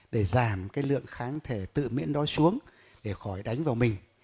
để giảm lượng kháng thể tự miễn đó xuống để khỏi đánh vào mình